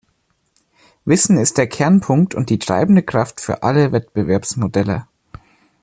Wissen ist der Kernpunkt und die treibende Kraft für alle Wettbewerbsmodelle.